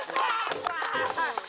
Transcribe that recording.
itu apaan pak